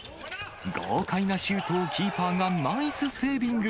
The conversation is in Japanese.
豪快なシュートをキーパーがナイスセービング。